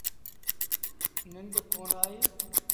ننڊ ڪونا آئيٚ۔